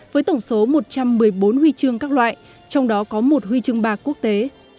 với tổng số một trăm một mươi bốn huy chương các loại trong đó có một huy chương bạc quốc tế